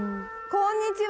こんにちは。